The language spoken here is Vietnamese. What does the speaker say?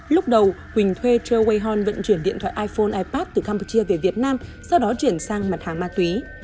lúc đầu quỳnh thuê choe wei hon vận chuyển điện thoại iphone ipad từ campuchia về việt nam sau đó chuyển sang mặt hàng ma túy